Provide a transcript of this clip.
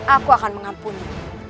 aku akan mengampuni